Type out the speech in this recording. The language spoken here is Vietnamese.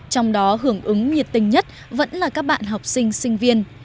trong đó hưởng ứng nhiệt tình nhất vẫn là các bạn học sinh sinh viên